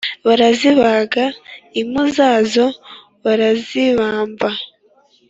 barazibaga impu zazo barazibamba,